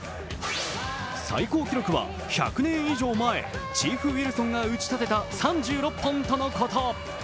最高記録は１００年以上前、チーフ・ウィルソンが打ち立てた３６本とのこと。